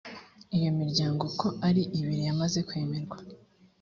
iyo miryango uko ari ibiri yamaze kwemerwa